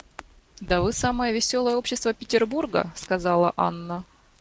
Да вы самое веселое общество Петербурга,— сказала Анна.